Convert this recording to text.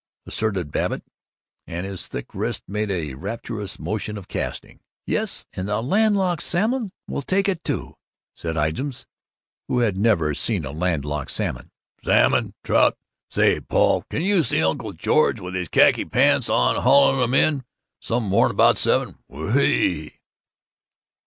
asserted Babbitt, and his thick wrists made a rapturous motion of casting. "Yes, and the landlocked salmon will take it, too," said Ijams, who had never seen a landlocked salmon. "Salmon! Trout! Say, Paul, can you see Uncle George with his khaki pants on haulin' 'em in, some morning 'bout seven? Whee!"